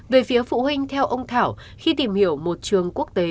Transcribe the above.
về phía phụ huynh theo ông thảo khi tìm hiểu một trường quốc tế